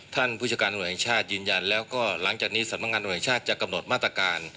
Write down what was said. ท่านผู้ชการอวัยงชาติยืนยันแล้วก็หลังจากนี้สำนักงานอวัยงชาติจะกำหนดมาตรการ